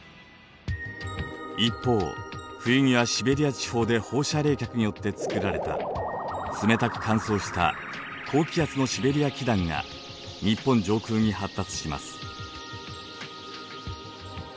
一方冬にはシベリア地方で放射冷却によってつくられた冷たく乾燥した高気圧のシベリア気団が日本上空に発達します。